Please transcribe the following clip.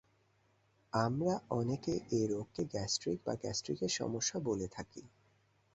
আমরা অনেকেই এই রোগকে গ্যাস্ট্রিক বা গ্যাস্ট্রিকের সমস্যা বলে থাকি।